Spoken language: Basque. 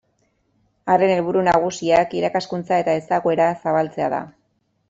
Haren helburu nagusiak irakaskuntza eta ezaguera zabaltzea da.